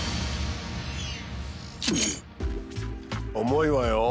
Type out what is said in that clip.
重いわよ。